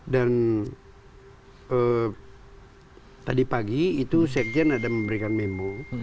dan tadi pagi itu sekjen ada memberikan memo